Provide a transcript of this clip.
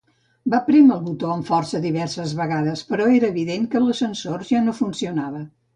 Va prémer el botó amb força diverses vegades, però era evident que l'ascensor ja no funcionava.